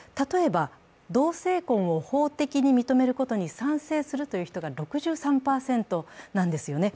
例えば同性婚を法的に認めることに賛成するという人が６３％なんですよね。